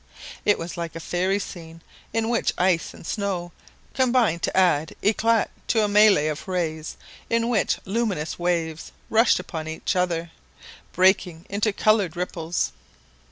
It was like a fairy scene in which ice and snow combined to add éclat to a mêlee of rays in which luminous waves rushed upon each other, breaking into coloured ripples.